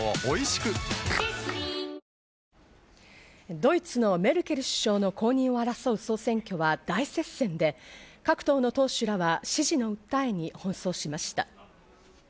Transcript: ドイツのメルケル首相の後任を争う総選挙は大接戦で、各党の党首らは支持の訴えに奔走しました。